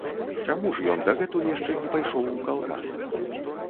Чаму ж ён дагэтуль яшчэ не пайшоў у калгас?